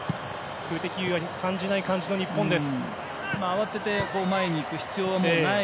数的優位は感じない日本です。